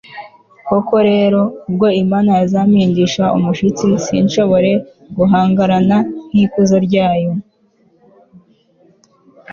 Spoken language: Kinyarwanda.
koko rero, ubwo imana yazampindisha umushyitsi, sinshobore guhangarana n'ikuzo ryayo